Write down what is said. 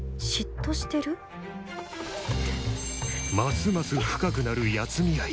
ますます深くなる八海愛。